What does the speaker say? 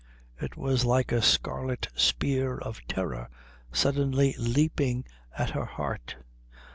It was like a scarlet spear of terror suddenly leaping at her heart....